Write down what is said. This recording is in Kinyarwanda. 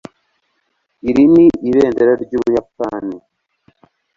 Iri ni ibendera ryUbuyapani